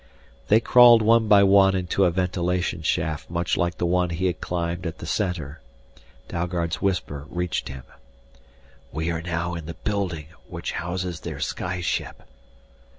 They crawled one by one into a ventilation shaft much like the one he had climbed at the Center. Dalgard's whisper reached him. "We are now in the building which houses their sky ship."